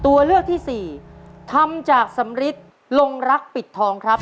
ตัวเลือกที่สี่ทำจากสำริทลงรักปิดทองครับ